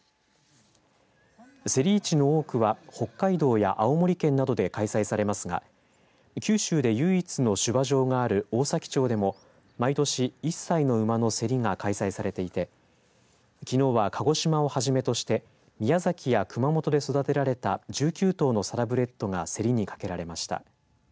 せり市の多くは北海道や青森県などで開催されますが九州で唯一の種馬場がある大崎町でも毎年１歳の馬のせりが開催されていてきのうは鹿児島をはじめとして宮崎や熊本で育てられた１９頭のサラブレットがせりにかけられました。